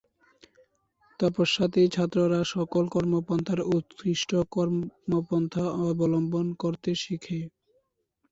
তপস্যাতেই ছাত্ররা সকল কর্মপন্থার উৎকৃষ্ট কর্মপন্থা অবলম্বন করতে শেখে।